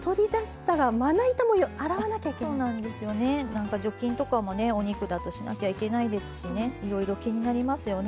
何か除菌とかもねお肉だとしなきゃいけないですしねいろいろ気になりますよね。